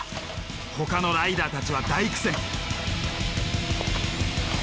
ほかのライダーたちは大苦戦。